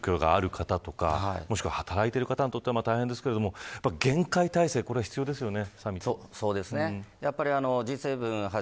元榮さん、開催場所にある住居がある方とかもしくは働いている方にとって大変ですけれども厳戒態勢、これは必要ですよね